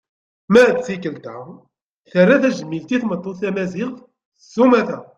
Ma d tikelt-a terra tajmilt i tmeṭṭut tamaziɣt s umata.